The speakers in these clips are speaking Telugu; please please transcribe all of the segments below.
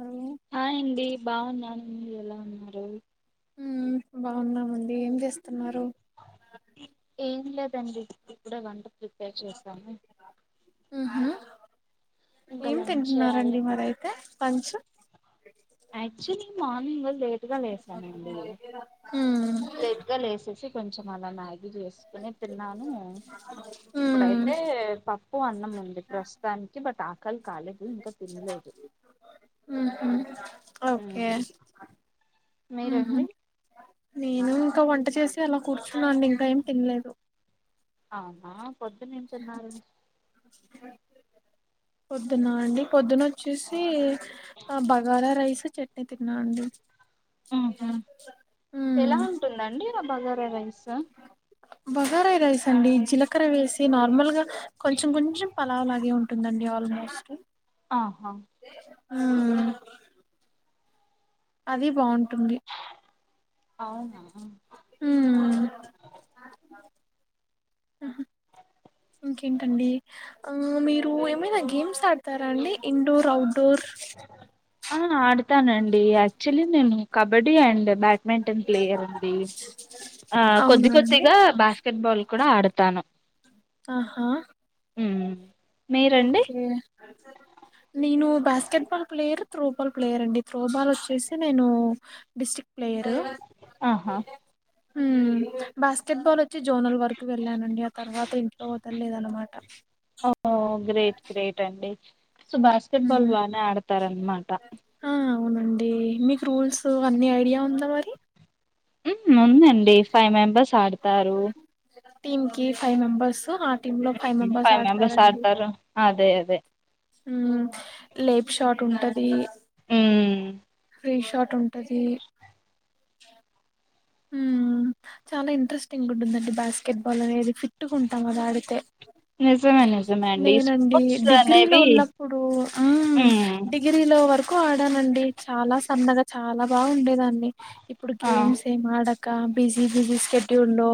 ఉమ్ హాయండి బాగున్నాను మీరేలా ఉన్నారు ఊ బాగున్నామండి ఏం చేస్ ఏం లేదండి ఇప్పుడే వండు ప్రిపేర్ చేసాము ఉహు ఏం చేయాలి తింట్నారండి మరైతే లంచు యాక్చువలీ మార్నింగు లేట్గా లేసానండి ఉమ్ లేట్గా లేసేసి కొంచెం అలా మ్యాగీ చేస్కోని తిన్నాను ఉమ్ ఇప్పుడైతే పప్పు అన్నం ఉంది ప్రస్తుతానికి బట్ ఆ ఉహు ఓకే మ్మ్. ఉహు మీరండి నేను ఇంకా వంట చేసి అలా కూర్చున్నా అండి ఇంకేం తిన్లేదు అవునా పొద్దునేం తిన్నారు పొద్దున్నా అండి పొద్దునోచ్చేసి ఆ బగారా రైస్ చట్ ని తిన్నా అండీ మ్హూ. ఊ ఎలా ఉంటుందండి ఆ బగారా రైసా బగారా రైస్ అండి జీలకర్ర వేసి నార్మల్గా కొంచెం కొంచెం పలావ్లాగే ఉంటుందండి ఆల్మోస్ట్ ఆహా ఆ అది బాగుంటుంది అవున ఊహ్ ఇంకేంటండి ఆ మీరు ఏమైనా గేమ్సాడ తారాండి ఇండోర్ అవుట్డోర్ తానండి యాక్చువలీ నేను కబడ్డీ అండ్ బ్యాడ్మింటన్ ప్లేయర్ అండి ఆ కొద్ది అవునా అండి కొద్దిగా బాస్కెట్ బాల్ కూడా ఆడ తాను ఆహా. ఉమ్. ఓకే. నేను basketball player throwball player అండి త్రోబాల్ వచ్చేసి నేను డిస్ట్రిక్ట్ ప్లేయరు ఆహా హ్మ్ బాస్కెట్ బాల్ వచ్చి జోనల్ వరకు వెళ్ళానండి ఆ తర్వాత ఇంట్లో వదలేదు అనమాట. ఓహ్ గ్రేట్ గ్రేట్ అండి సో బాస్కెట్ బాల్ హ్మ్. బానే ఆడతారనమాట. ఆ అవునండి మీకు రూల్స్ అన్ని ఐడియా ఉందా మరి. మ్మ్ ఉందండి ఫై మెంబర్స్ ఆడుతారు. టీం కి ఫైవ్ మెంబర్స్ ఆ టీమ్ లో ఫైవ్ హ్మ్. మెంబర్స్ ఆడతారండి. ఆడతారు అదే అదే టుంటదీ. ఉమ్. ఫ్రీ షాట్ ఉంటది. ఉమ్ చాలా ఇంట్రెస్టింగ్ ఉంటుందండి బాస్కెట్ బాల్ అనేది ఫిట్. ట్టుగుంటం అదాడితే. నిజమే నిజమే అండి నేనండి స్పోర్ట్స్ డిగ్రీలో అనేవి ఉన్నప్పుడు ఆహ్ మ్మ్ డిగ్రీలో వర్క్. కు ఆడానండి చాలా సన్నగా చాలా బాగా ఉండేదాన్ని ఇప్పుడు ఆ గేమ్స్. ఏం ఆడక బిజీ బిజీ స్కేడ్యూల్ లో.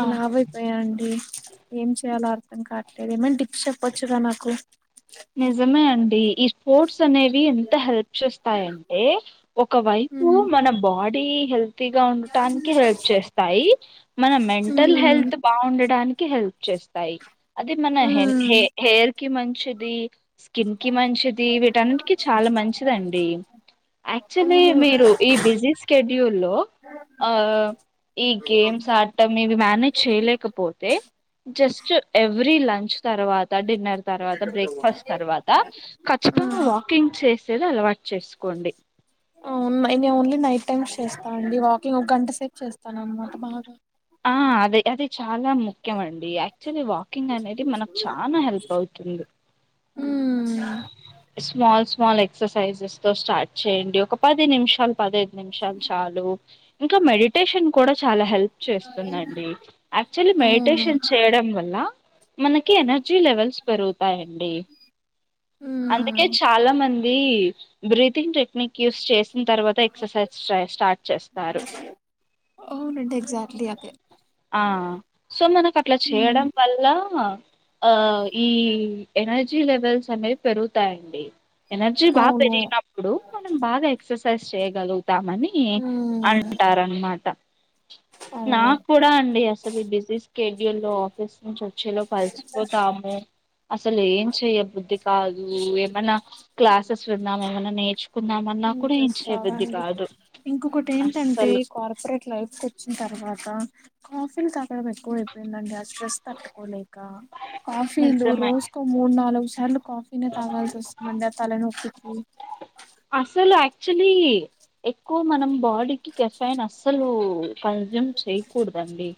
ఆ లావైపోయా అండి ఏం చేయలొ అర్. అర్థం కాట్లేదు ఏమైన టిప్స్ చెప్పొచ్చుగా నాకు. నిజమే అండి ఈ స్పోర్ట్స్ అనేవి ఎంత హెల్ప్. చెస్తాయంటే ఒక వైపు హ్మ్ మన బాడీ హెల్తీగా ఉండటానికి హెల్ప్ చే. చెస్తాయి మన మెంటల్ హ్మ్ హెల్త్ బావుండడానికి హెల్ప్. చెస్తాయి అది మన హెన్ హ్మ్ హె హెయిర్ కి మంచిది స్కిన్ కి మంచిద్. ఇది వీటన్నిటికి చాలా మంచిదండి. యాక్చువలీ అవును మీరు ఈ బిజీ స్కెడ్యూల్ లో ఆహ్. ఈ గేమ్స్ ఆడటం ఇవి మేనేజ్ చేయలేకపోతే జస్ట్ ఎవ్రీ లం. తర్వాత డిన్నర్ తర్వాత బ్రేక్ఫాస్ట్ తర్వాత ఖచ్చితంగా హ్మ్ వాకింగ్ చేస్. చెయలె అలవాట్ చేసుకోండి. అవును నేను ఓన్లీ నైట్ టైమ్స్ చేస్తా అండి వాకింగ్ ఒక గంట సేపు చేస్తాను అనమాట బాగా. ఆహ్ అదే అది చాలా ముఖ్యం అండి యాక్చువల్లీ వాకింగ్ అనేది మనకు చానా హెల్ప్ అవుత్. తుంది. ఉమ్ స్మాల్ స్మాల్ ఎక్సర్సైజెస్ తో స్టార్ట్ చేయండి ఒక పది నిమిషాలు. పదైదు నిమిషాలు చాలు ఇంక మెడిటేషన్ కూడా చాలా హెల్ప్. చేస్తుందండి యాక్చువల్లీ అవును మెడిటేషన్ చేయడం వల్ల. మనకి ఎనర్జీ లెవెల్స్ పెరుగుతాయండి. అందుకే ఉమ్ చాలా మంది బ్రీతింగ్ టెక్నిక్ యూస్ చేస్. ఉమ్ తర్వాత ఎక్సర్సైజ్ స్టా స్టార్ట్ చేస్తారు. ఎగ్జాక్ట్‌లీ అదే. ఆహ్ సో మనకట్లా ఉమ్ చేయడం వల్ల. ఆహ్ ఈ ఎనర్జీ లెవెల్స్ అనేవి పెరుగుతాయండి. ఎనర్జీ బాగా అవును పెరిగినప్పుడు మనం బాగా ఎక్సర్సైజ్ చేయగలుగుతామని అన్. ఉమ్ అంటారనమాట. అవును నాకూడా అండి అసలు ఈ బిజీ స్కెడ్యూల్ లో ఆఫీస్ నుంచి వచ్చేలొపు అలిసిపోతా. అసలు ఏం చెయబుద్ధి. కాదు ఏమన్న క్లాసెస్ విందాం ఏమన్న నేర్చుకుందాం అన్నా కూడా ఏం ఇంట్రెస్ట్ చేయబుద్ది రాదండి కాదు. ఇంకొకటి ఏంటంటే అస్సలు కార్పొరేట్ లైఫ్ కొచ్చిన తర్వాత కాఫీలు క. తాగడం ఎక్కువ అయిపోయిందండి ఆ స్ట్రెస్ తట్టుకోలేక కాఫీలు నిజమే రోజుకో మూడు నాలుగు. సార్లు కాఫీ నే తాగాల్సొస్తుంది అండి ఆ తల నొప్పికి అసలు యాక్చులీ ఎక్కువ మనం బాడీకి కెఫైన్ అస్సలూ కన్స్యూమ్ చేయ్యకూడదండి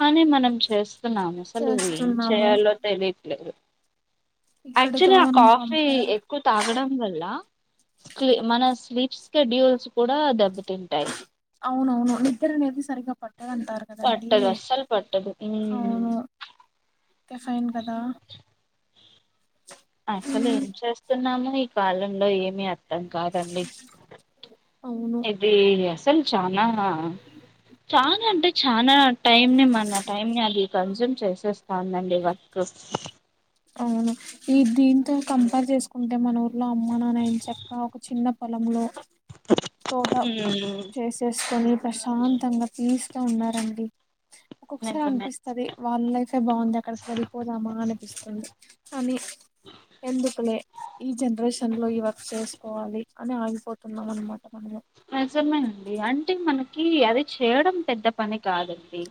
కానీ మనం చేస్తున్నాము అసలు ఏం చేస్తున్నాము చేయాలో తెలీట్లేదు ఇక్కడితో యాక్చువల్లీ ఆ మనం కాఫీ కంపేర్ ఎక్కువ తాగడం వల్ల స్లీ మన స్లీప్. స్కెడ్యూల్స్ కూడా దెబ్బతింటాయి. అవునవును నిద్ర అనేది సరిగా. పట్టాదంటారు కదా అండి. పట్టదు అస్సలు పట్టదు మ్మ్ కే ఫైన్ కదా అసలు ఉమ్ ఏం చేస్తున్నామొ ఈ కాలంలో ఏమి అర్థం కాదండి అవును ఇది అసలు చానా చానా అంటే చనా టైమ్ ని మన టైమ్ ని అది కన్జ్యూమ్ చేసేస్థాంది అండి వర్క్ అవును ఈ దీంతో కంపేర్ చేసుకుంటే మన ఊర్లో అమ్మా నాన్న ఎం చక్క ఒక చిన్న పొలంలో తోట ఉమ్ చేసేసుకొని ప్రశాంతంగా పీస్ గా ఉన్నారండి ఒక్కొక్కసారి నిజమే అనిపిస్తది వాళ్ళ లైఫే ఏ బాగుంది అక్కడికేళ్ళిపోదామా అనిపిస్తది కని ఎందుకులే ఈ జనరేషన్ లో ఈ వర్క్స్ చేసుకోవాలి అని ఆగిపోతున్నాం అనమాట్ నిజమేనండి అంటే మనకి అది చేయడం పెద్ద పని కాదు అండి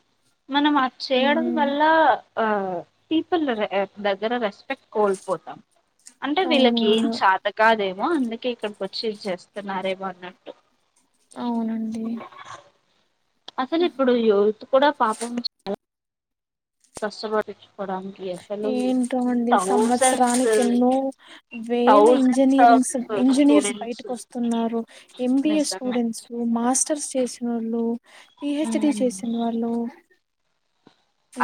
మనం అది చేయడం ఉమ్ వల్ల ఆ పీపుల్ ర్ దగ్గర రేస్ స్పెక్ట్స్ కోల్పోతాం అంటే వీళ్ళకి ఏం అవునవును చాత కాదే మొ అందుకే ఇక్కడికోచ్చి చేస్తున్నారేమో అన్నట్ అవునండి అసలు ఇప్పుడు యుత్ కూడా పాపం చాలా కష్టమరి చ్ ఏంటో అండి థౌజండ్స్ సంవత్సరానికి ఏన్నో వేల థౌజండ్స్ ఇంజనీరింగ్ ఆఫ్ స్ ఇంజనీర్స్ స్టూడెంట్స్ బయటికోస్తున్నారు ఎం బి ఏ నిజమే స్టూడెంట్స్ మాస్టర్స్ చేసి వాళ్ళు పీహెచ్డీ ఉమ్ చేసిన వాళ్ళు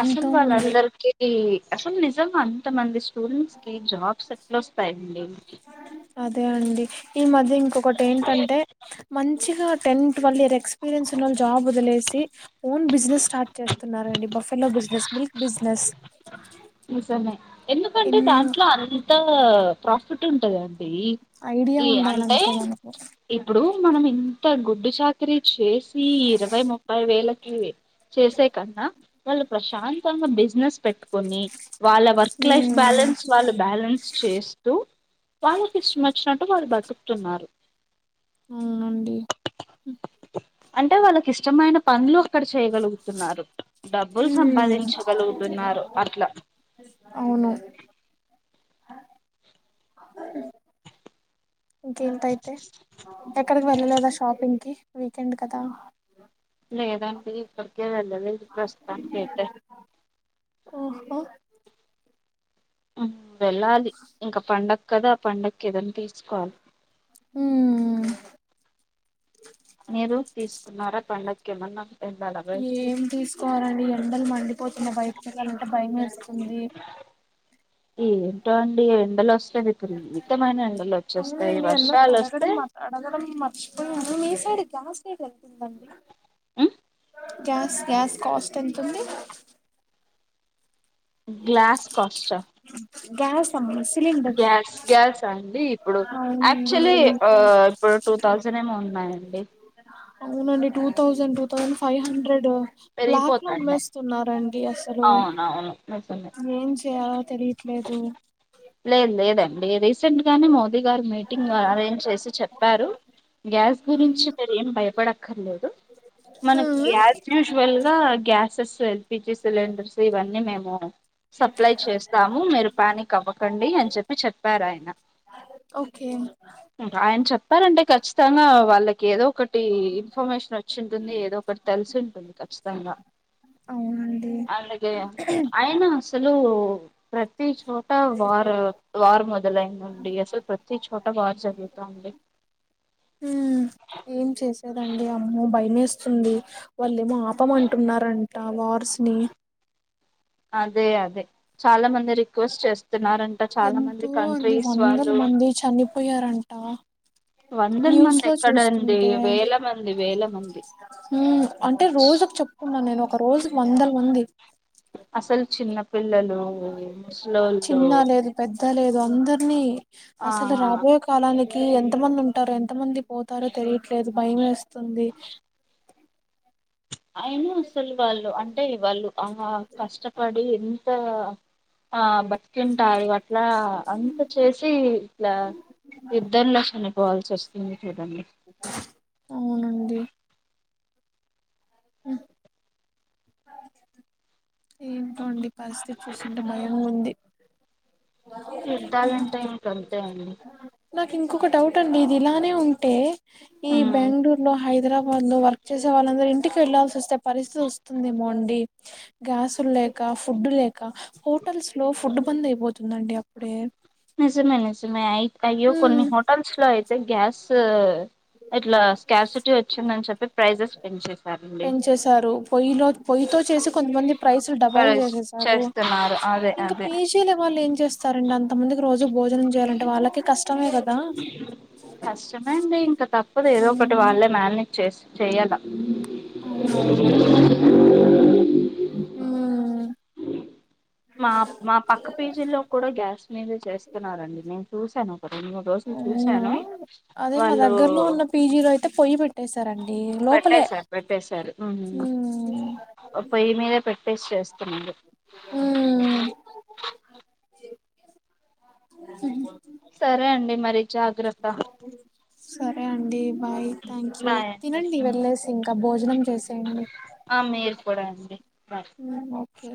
అసలు ఎంతో వాళ్ల మంది అందరికి అసలు నిజంగ అంత మంది స్టూడెంట్స్ కి జాబ్స్ ఎట్లోస్తాయండి అదే అండి ఈ మధ్య ఇంకోకటెంటంటే మంచిగా టెన్త్ వాళ్ళు ఎక్స్పీరియన్స్ ఉన్నళ్ జాబ్ వదిలేసి ఓన్ బిజినెస్ స్టార్ట్ చేస్తున్నార్ రండి బఫెలో బిజినెస్ మీల్క్ బిజినెస్ కంటే ఎన్నో దాంట్లో అంత ప్రాఫిట్ ఉంటదండి ఐడియా ఈ అంటే ఉండాలంతే మనకు ఇప్పుడు మనం ఇంత గుడ్డు చాకిరీ చేస్ సి ఇరవై ముప్పై వేలకి చేసే కన్నా వాళ్ళు ప్రశాంతంగా బిజినెస్ పెట్టుకొని వాళ్ళ వర్క్ లైఫ్ ఉమ్, బ్యాలెన్స్ వాళ్ళు బ్యాలెన్స్ చేస్తూ వాళ్ళకి ఇష్టమొచ్చినట్టు వాళ్ళు బతుకుతున్నారు అవునండి అంటే వాళ్ళకి ఇష్టమైన పనులు అక్కడ చేయగలుగుతున్నారు డబ్బులు ఉమ్, సంపాదించగలుగుతున్నారు అట్లా అవును ఇంకేంటి అయితే ఎక్కడికి వెళ్ళలేదా షాపింగ్ కి వీకెండ్ కదా లేదండి ఎక్కడికి వెళ్ళలేదు ప్రస్తుతానికైతే మ్ హు మ్ వెళ్ళాలి ఇంకా పండగ కదా ఆ పండక్కేదన్న తీసుకోవాలి మ్ మ్ మీరు తీసుకున్నారా పండక్కేమన్నా ఏం తీసుకోవాలండి ఎండలు మండిపోతున్నాయి బయటికేళ్లాలంటే భయం వేస్తుంది ఏంటో అండి ఎండలస్ విపరీతమైన ఎండలోచ్చేస్తాయి అవునండి వర్షాలోస్తే హ హ మీ సైడ్ గ్యాస్ రేట్ ఎంతుందండి ఉమ్. గ్యాస్ గ్యాస్ కాస్ట్ ఎంతుంది. గ్లాస్ కాస్ట గ్యాస్ అమ్మ సిలిండర్ గ్యాస్ గ్యాసండి ఇప్పుడు అవునండి ఆక్చువల్లి ఎంత? ఆహ్ ఇప్పుడు టూ థౌసండ్. నేమో ఉన్నాయండి. అవునండి two thousand two thousand five hundred black లో అమ్మేస్తున్నారండి. అసలు ఆహ్ అవునవును. నిజమే ఏం చేయాలో తెలియట్లేదు. లేదు లేదండి రీసెంట్ గానే మోదీ గారు మీటింగ్ అరేంజ్ చేసి చెప్పారు. గ్యాస్ గురించి మీరు ఏం భయపడక్కర్లేదు. మనకి ఉమ్ యాజ్ యూజువల్ గా గ్యాసెస్. ఎల్పిజి సిలిండర్స్ ఇవన్నీ మేము సప్లై చేస్తాము మీరు పానిక్ అవ్వకం. క్కండి అని చెప్పి చెప్పారాయన. ఓకే ఆయన చెప్పారంటే ఖచ్చితంగా వాళ్ళకి ఏదో ఒకటి. టి ఇన్ఫర్మేషన్ వచ్చి ఉంటుంది ఏదో ఒకటి తెలిసి ఉంటుంది ఖచ్చితంగా. అవునండి అలాగే అయిన అసలు ప్రతి చోట. వారు వార్ మొదలైందండి అసలు ప్రతి చోట వార్ జరుగుతాంది. ఉమ్ ఏం చేసేదండి అమ్మో. స్తుంది వాళ్ళేమో ఆపమంటున్నారంట వార్స్ని. అదే అదే చాలా మంది. రిక్వెస్ట్ చేస్తున్నారంట చాలా మంది ఎంతో అండి కంట్రీస్ వందల వాళ్ళు. మంది చనిపోయారంట న్యూస్ వందలమంది లో ఎక్కడండి చూస్తుంటే వేల మంది వేల మంది. ఉమ్ అంటే రోజుకి చెప్పుకున్నాను నేను ఒక రోజుకి వందల మంది. అసలు చిన్న. పిల్లలు ముసలోళ్ళు చిన్న లేదు పెద్ద లేదు అందరినీ ఆ అసలు రాబొయే. యే కాలనికి. కి ఎంత మంది ఉంటారో ఎంత మంది పోతారో తెలియట్లేదు భయమేస్తుంది. అయినా అసలు వాళ్ళు అంటే వాళ్ళు ఆహ కష్టపడి. ఆహ్ ఆహ్ బట్. తింటాయి అట్లా అంత చేసి ఇట్లా. ఇద్దరులో చనిపోవాల్సి వస్తుంది చూడండి. అవునండి ఉమ్. ఏంటోండి పరిస్థితి చూస్తుంటే బయంగుంది. యుద్ధలంటే ఇంకంతే అండి. నాకు ఇంకొక డౌట్ అండి ఇది ఇలానే ఉంటే ఈ మ్మ్ బెంగళూరు లో హైదరాబాద్. వాళ్ళు వర్క్ చేసే వాళ్ళందరు ఇంటికి వెళ్లాల్సిన వస్త పరిస్థితి వస్తుందేమో అండి గ్యాసులు లేక. ఫుడ్ లేక హోటల్స్ లో ఫుడ్ బంద్ అయిపోతుందండి అప్పుడే. నిజమే నిజమే అయి అయ్యో ఉమ్ కొన్ని హోటల్స్ లో అయితే గ్యాస్. ఇట్లా స్కార్సిటీ వచ్చిందని చెప్పి ప్రైజెస్ పెంచేశారండి. తో చేసి కొంతమంది ప్రైస్లు డబల్ ప్రైస్ చేసేసారు చేస్తున్నారు అదే ఇంకా అదే పే చెయ్యని వాళ్ళు ఏం చేస్తారు. అండ్ అంత మందికి రోజు భోజనం చేయాలంటే వాళ్ళకి కష్టమే కదా. కష్టమే అండి ఇంకా తప్పదు ఏదో ఒకటి ఉమ్, వాళ్ళే మేనేజ్ చేసి చేయాల. అవునవును ఉమ్. మా మా పక్క పీజీల్లో కూడా గ్యాస్ మీదే చేస్తున్నరండి మే. చూశాను ఒక రెండు మూడు రోజులు అవునా చూశాను అదే వాళ్ళు. పెట్టెసార్ అండి. పెట్టాసార్ పెట్టేసారు ఉమ్ ఉమ్ పొయ్యి మీదే పె. ఫేస్ చేస్తున్నారు. ఉమ్. సరే అండి మరి జాగ్రత్త సరే అండి. బాయ్ థ్యాంక్యూ బాయ్ తినండి అండి వెళ్ళేసి ఇంకా భోజనం చేసేయండి. ఆ మీరు కూడా అండి బాయ్ ఓకే